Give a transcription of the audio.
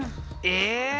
え！